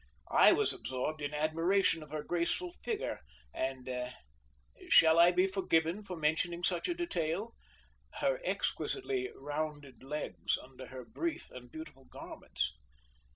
I was absorbed in admiration of her graceful figure, and shall I be forgiven for mentioning such a detail? her exquisitely rounded legs under her brief and beautiful garments.